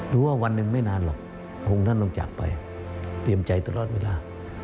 ว่าวันหนึ่งไม่นานหรอกพระองค์ท่านลงจากไปเตรียมใจตลอดเวลา